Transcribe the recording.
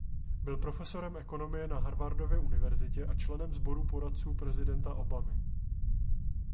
Byl profesorem ekonomie na Harvardově univerzitě a členem sboru poradců prezidenta Obamy.